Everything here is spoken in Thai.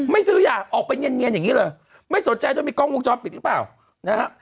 ไม่ซื้อย่างนี้เลยไม่สนใจว่ามีกล้องวงจอมปิดหรือเปล่านะฮะ